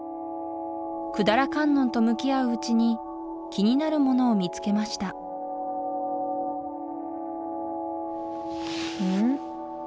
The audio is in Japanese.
百済観音と向き合ううちに気になるものを見つけましたうん？